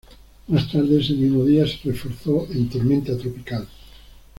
Más tarde ese mismo día se reforzó en tormenta tropical.